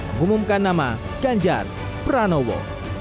mengumumkan nama ganjar pranowo